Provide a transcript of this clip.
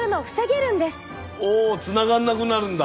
おつながらなくなるんだ。